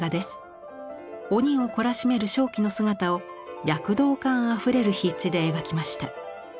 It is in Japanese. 鬼を懲らしめる鍾馗の姿を躍動感あふれる筆致で描きました。